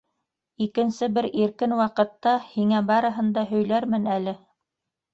Икенсе бер иркен ваҡытта һиңә барыһын да һөйләрмен әле.